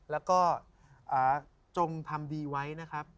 แล้วจงทำดีไว้